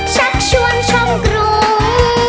ชักชวนชมกรุง